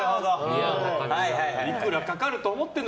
いくらかかると思ってんだ